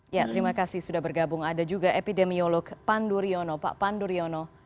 ya terima kasih sudah bergabung ada juga epidemiolog pak panduryono